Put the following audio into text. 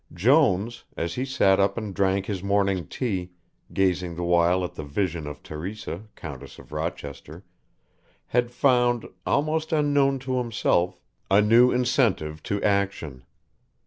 Jones, as he sat up and drank his morning tea, gazing the while at the vision of Teresa, Countess of Rochester, had found, almost unknown to himself, a new incentive to action.